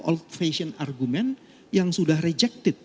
old fashion argument yang sudah rejected